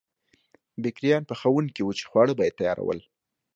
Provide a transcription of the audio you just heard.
بېکریان پخوونکي وو چې خواړه به یې تیارول.